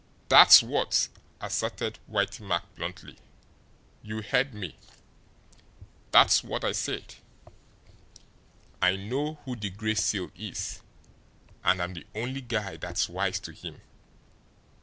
"That's what!" asserted Whitey Mack bluntly. "You heard me! That's what I said! I know who the Gray Seal is and I'm the only guy that's wise to him.